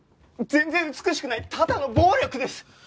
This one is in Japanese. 全然美しくないただの暴力です！